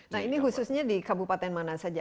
nah ini khususnya di kabupaten mana saja